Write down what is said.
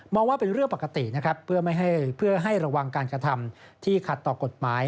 ว่าเป็นเรื่องปกตินะครับเพื่อให้ระวังการกระทำที่ขัดต่อกฎหมาย